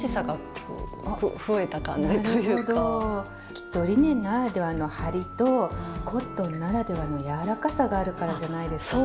きっとリネンならではのハリとコットンならではの柔らかさがあるからじゃないですかね。